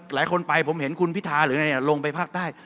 หลายคนไปผมเห็นคุณพิทาหรืออะไรอย่างเงี้ยลงไปภาคใต้